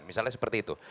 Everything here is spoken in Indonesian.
misalnya seperti itu